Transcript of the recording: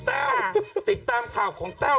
ติดตามข่าวของเต้า